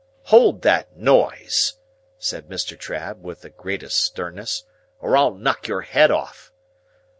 "Hold that noise," said Mr. Trabb, with the greatest sternness, "or I'll knock your head off!